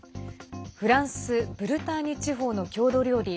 フランス・ブルターニュ地方の郷土料理